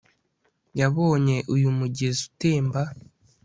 Yabonye uyu mugezi utemba